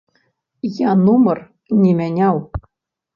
Я нумар не мяняў!